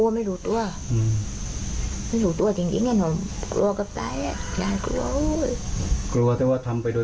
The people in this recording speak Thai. ไม่รู้ตัวเห็นมั๊ย